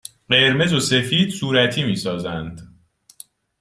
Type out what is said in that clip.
قرمز و سفید صورتی می سازند.